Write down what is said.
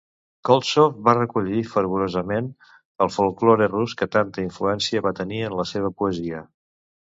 Koltsov va recollir fervorosament el folklore rus que tanta influència va tenir en la seva poesia.